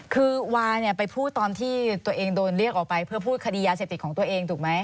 คือวาเนี่ยไปพูดตอนที่ตัวเองโดนเรียกออกไปเพื่อพูดคดียาเสพติดของตัวเองถูกไหม